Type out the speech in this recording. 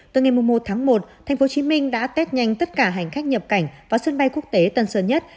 từ ngày một tháng một tp hcm đã test nhanh tất cả hành khách nhập cảnh vào sân bay quốc tế tân sơn nhất